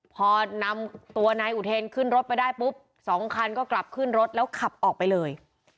พอนำตัวนายอุเทนขึ้นรถไปได้ปุ๊บสองคันก็กลับขึ้นรถแล้วขับออกไปเลย